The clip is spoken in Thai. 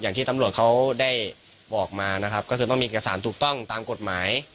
อย่างที่ตำรวจเขาได้บอกมานะครับก็คือต้องมีเอกสารถูกต้องตามกฎหมาย